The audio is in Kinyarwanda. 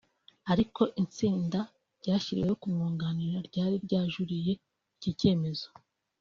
Ariko itsinda ryashyiriweho kumwunganira ryari ryajuririye iki cyemezo